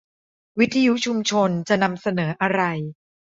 วิทยุชุมชนจะนำเสนออะไร